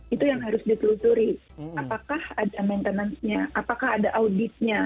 itu yang harus ditelusuri apakah ada maintenance nya apakah ada auditnya